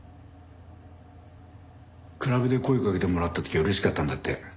クラブで声かけてもらった時は嬉しかったんだって。